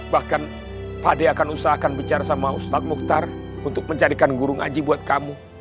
bahkan pak dea akan usahakan bicara sama ustaz muqtar untuk mencarikan guru ngaji buat kamu